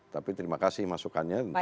tapi terima kasih masukannya